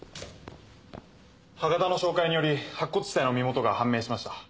歯型の照会により白骨死体の身元が判明しました。